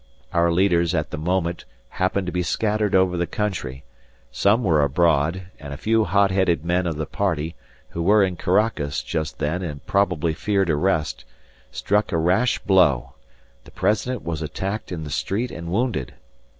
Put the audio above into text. Our leaders at the moment happened to be scattered over the country some were abroad; and a few hotheaded men of the party, who were in Caracas just then and probably feared arrest, struck a rash blow: the President was attacked in the street and wounded.